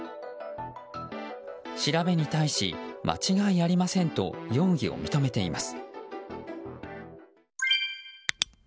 調べに対し間違いありませんと容疑を認めています。